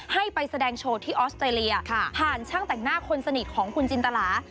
ให้ไปแสดงโชว์ที่ออสเตรเลียผ่านช่างแต่งหน้าคนสนิทของคุณจินตลา